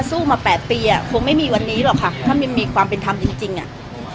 สู้มาแปดปีอ่ะคงไม่มีวันนี้หรอกค่ะถ้ามันมีความเป็นธรรมจริงจริงอ่ะ